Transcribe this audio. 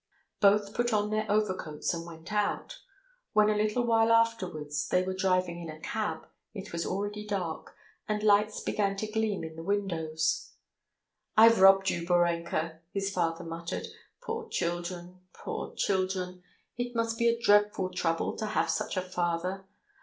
Both put on their overcoats and went out. When a little while afterwards they were driving in a cab, it was already dark, and lights began to gleam in the windows. "I've robbed you, Borenka!" the father muttered. "Poor children, poor children! It must be a dreadful trouble to have such a father!